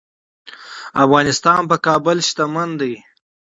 افغانستان په کابل غني دی.